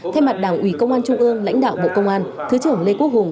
thay mặt đảng ủy công an trung ương lãnh đạo bộ công an thứ trưởng lê quốc hùng